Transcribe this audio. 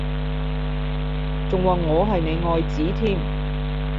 仲話我係你愛子添？